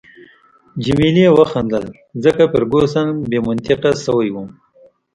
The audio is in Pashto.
جميله وخندل، ځکه فرګوسن بې منطقه شوې وه.